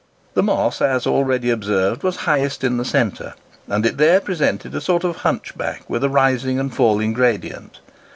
The Moss, as already observed, was highest in the centre, and it there presented a sort of hunchback with a rising and falling gradient.